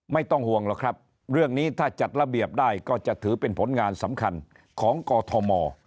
ไม่ต้องห่วงหรอกครับเรื่องนี้ถ้าจัดระเบียบได้ก็จะถือเป็นผลงานสำคัญของกอทม